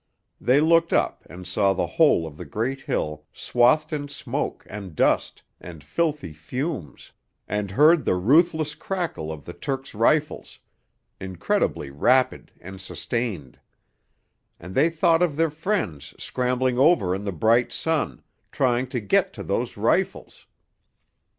They looked up and saw the whole of the great hill swathed in smoke and dust and filthy fumes, and heard the ruthless crackle of the Turks' rifles, incredibly rapid and sustained; and they thought of their friends scrambling over in the bright sun, trying to get to those rifles.